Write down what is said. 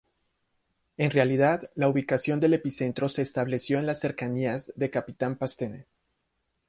En realidad, la ubicación del epicentro se estableció en las cercanías de Capitán Pastene.